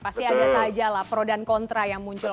pasti ada saja lah pro dan kontra yang muncul